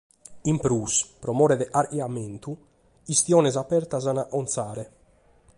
In prus, pro more de carchi ammentu, chistiones abertas s’ant a acontzare.